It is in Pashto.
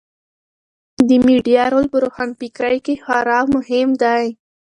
د میډیا رول په روښانفکرۍ کې خورا مهم دی.